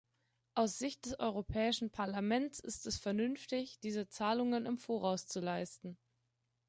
Aus Sicht des Europäischen Parlaments ist es vernünftig, diese Zahlungen im voraus zu leisten.